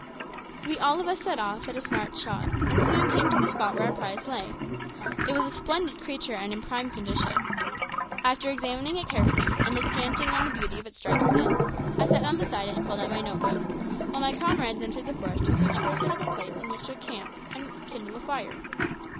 We all of us set off at a smart trot, and soon came to the spot where our prize lay. It was a splendid creature, and in prime condition. After examining it carefully, and descanting on the beauty of its striped skin, I sat down beside it and pulled out my note book, while my comrades entered the forest to search for a suitable place on which to encamp, and to kindle a fire.